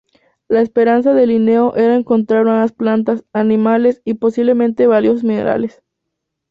La esperanza de Linneo era encontrar nuevas plantas, animales y, posiblemente, valiosos minerales.